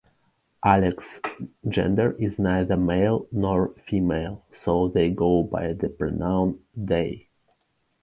Alex's gender is neither male nor female, so they go by the pronoun "they."